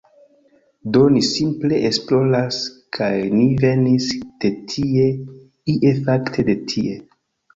Do ni simple esploras, kaj ni venis de tie ie, fakte de tie.